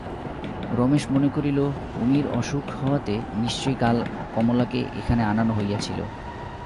রমেশ মনে করিল, উমির অসুখ হওয়াতে নিশ্চয়ই কাল কমলাকে এখানে আনানো হইয়াছিল।